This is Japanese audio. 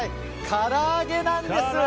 から揚げなんです。